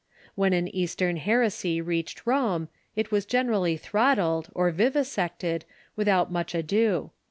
When an Eastern heresy reached Rome, it Avas generally throttled, or vivisected, without much ado.